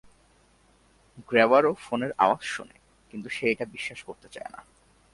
গ্র্যাবারও ফোনের আওয়াজ শোনে, কিন্তু সে এটা বিশ্বাস করতে চায় না।